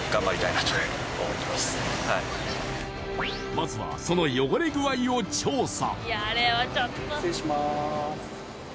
まずは、その汚れ具合を調査。